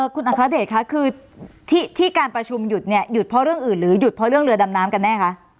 คุณอัครเดชคะคือที่การประชุมหยุดเนี่ยหยุดเพราะเรื่องอื่นหรือหยุดเพราะเรื่องเรือดำน้ำกันแน่คะ